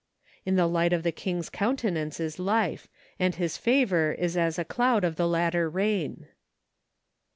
" In the light of the king's countenance is life; and his favor is as a cloud of the latter rain."